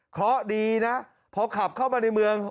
เพราะดีนะพอขับเข้ามาในเมือง